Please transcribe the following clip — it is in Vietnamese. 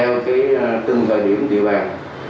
tùm theo tương thời điểm địa bàn